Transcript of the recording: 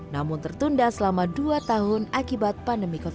namun tertunda selama dua tahun akibat pandemi covid sembilan belas